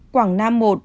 quảng nam một